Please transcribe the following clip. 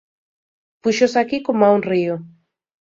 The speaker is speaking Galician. Púxose aquí coma un río.